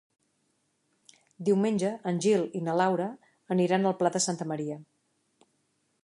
Diumenge en Gil i na Laura aniran al Pla de Santa Maria.